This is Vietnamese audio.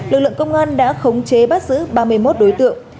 lực lượng công an đã khống chế bắt giữ ba mươi một đối tượng